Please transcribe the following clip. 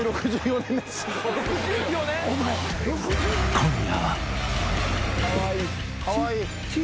［今夜は］